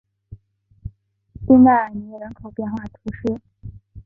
昂代尔尼人口变化图示